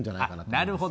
なるほど。